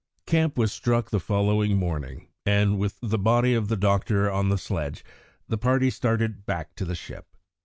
Camp was struck the following morning and, with the body of the doctor on the sledge, the party started back to the ship.